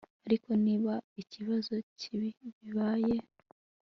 ariko niba ikibazo kibi kibaye